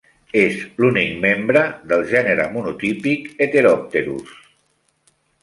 És l'únic membre del gènere monotípic "Heteropterus".